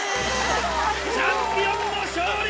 チャンピオンの勝利！